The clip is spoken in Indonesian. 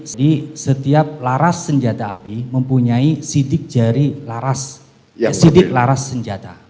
setiap laras senjata api mempunyai sidik jari laras sidik laras senjata